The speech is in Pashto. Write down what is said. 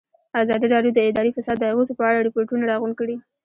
ازادي راډیو د اداري فساد د اغېزو په اړه ریپوټونه راغونډ کړي.